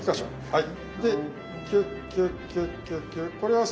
はい。